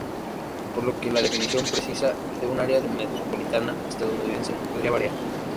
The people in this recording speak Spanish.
Por lo que la definición precisa de un área metropolitana estadounidense podría variar.